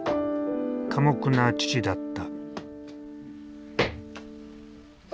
寡黙な父だった。